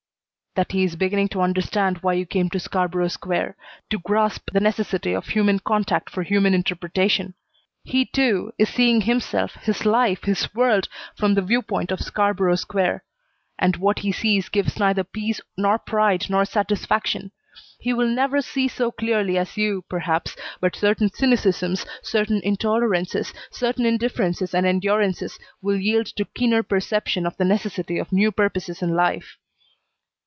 "That he is beginning to understand why you came to Scarborough Square; to grasp the necessity of human contact for human interpretation. He, too, is seeing himself, his life, his world, from the viewpoint of Scarborough Square, and what he sees gives neither peace nor pride nor satisfaction. He will never see so clearly as you, perhaps, but certain cynicisms, certain intolerances, certain indifferences and endurances will yield to keener perception of the necessity for new purposes in life."